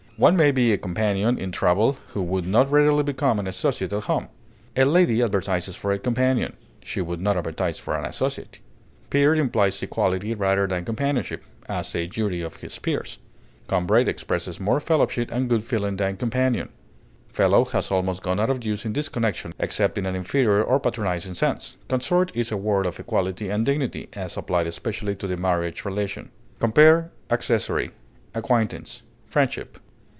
One may be a companion in travel who would not readily become an associate at home. A lady advertises for a companion; she would not advertise for an associate. Peer implies equality rather than companionship; as, a jury of his peers. Comrade expresses more fellowship and good feeling than companion. Fellow has almost gone out of use in this connection, except in an inferior or patronizing sense. Consort is a word of equality and dignity, as applied especially to the marriage relation. Compare ACCESSORY; ACQUAINTANCE; FRIENDSHIP.